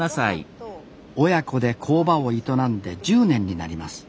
親子で工場を営んで１０年になります